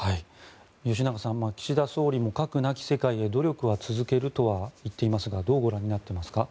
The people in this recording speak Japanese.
吉永さん、岸田総理も核なき世界へ努力は続けるとは言っていますがどうご覧になっていますか。